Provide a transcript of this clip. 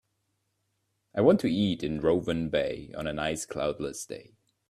I want to eat in Rowan Bay on a nice cloud less day